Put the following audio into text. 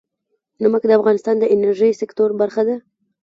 نمک د افغانستان د انرژۍ سکتور برخه ده.